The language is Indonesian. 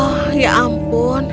oh ya ampun